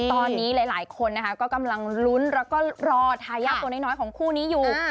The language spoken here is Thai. ตอนนี้หลายคนก็กำลังรุนและรอทายาดตัวน้อยของคู่นี้อยู่